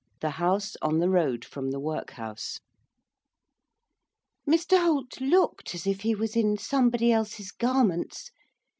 THE HOUSE ON THE ROAD FROM THE WORKHOUSE Mr Holt looked as if he was in somebody else's garments.